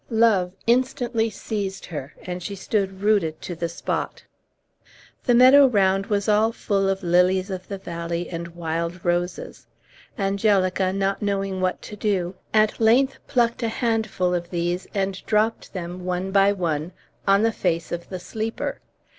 Love instantly seized her, and she stood rooted to the spot. The meadow round was all full of lilies of the valley and wild roses. Angelica, not knowing what to do, at length plucked a handful of these, and dropped them, one by one, on the face of the sleeper.